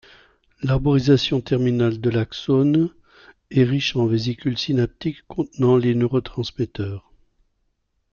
L'arborisation terminale de l'axone est riche en vésicules synaptiques contenant les neurotransmetteurs.